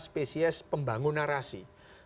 spesies pembangun narasi